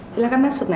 silahkan masuk nak